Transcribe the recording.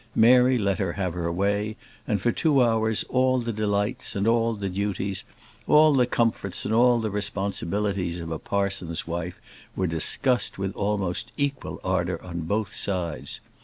Mary let her have her way, and for two hours all the delights and all the duties, all the comforts and all the responsibilities of a parson's wife were discussed with almost equal ardour on both sides.